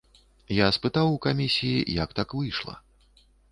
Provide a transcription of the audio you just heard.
Я спытаў у камісіі, як так выйшла.